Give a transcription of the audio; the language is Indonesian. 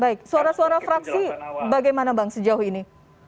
baik suara suara fraksi bagaimana bang sejauh ini